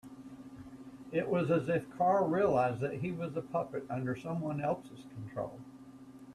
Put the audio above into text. It was as if Carl realised that he was a puppet under someone else's control.